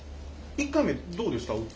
１回目どうでした？